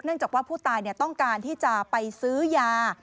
จากว่าผู้ตายต้องการที่จะไปซื้อยา